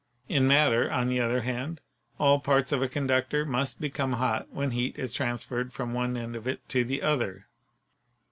In mat ter, on the other hand, all parts of a conductor must become hot when heat is transferred from one end of it to the other.